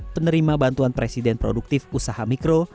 penerima bantuan presiden produktif usaha mikro